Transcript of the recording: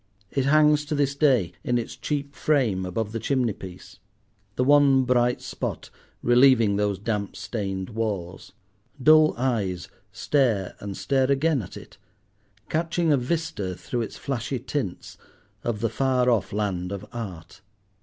It hangs to this day in its cheap frame above the chimney piece, the one bright spot relieving those damp stained walls; dull eyes stare and stare again at it, catching a vista, through its flashy tints, of the far off land of art.